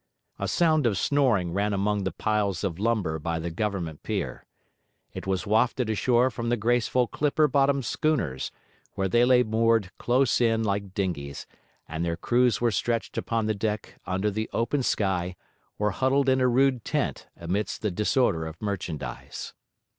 A sound of snoring ran among the piles of lumber by the Government pier. It was wafted ashore from the graceful clipper bottomed schooners, where they lay moored close in like dinghies, and their crews were stretched upon the deck under the open sky or huddled in a rude tent amidst the disorder of merchandise.